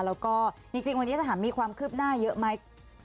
แล้วก็จริงวันนี้จะถามมีความคืบหน้าเยอะไหม